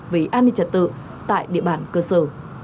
về an ninh trật tự tại địa bàn cơ sở